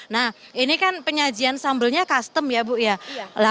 nah ini kan penyajian sambelnya custom ya bu ya